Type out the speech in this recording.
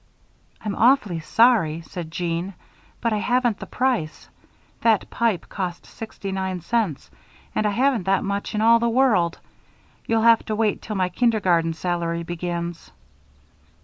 "I'm awfully sorry," said Jeanne, "but I haven't the price. That pipe cost sixty nine cents, and I haven't that much in all the world. You'll have to wait till my kindergarten salary begins."